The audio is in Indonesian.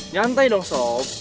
nyantai dong sob